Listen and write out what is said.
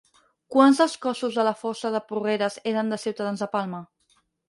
Quants dels cossos de la fossa de Porreres eren de ciutadans de Palma?